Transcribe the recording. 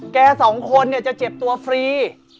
แกสองคนเนี่ยจะเจ็บตัวฟรี